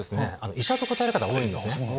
医者と答える方が多いんですね。